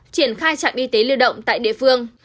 triển khai trạm y tế lưu động tại địa phương